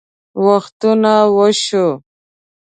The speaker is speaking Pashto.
وختونه وشوه